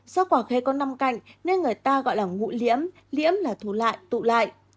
do quả khế có năm cạnh nên người ta gọi là ngũ liễm liễm là thủ lại tụ lại